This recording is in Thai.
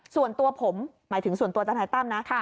ส่วนตัวผมหมายถึงส่วนตัวทนายตั้มนะ